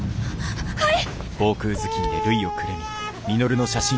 はい！